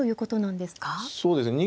そうですね。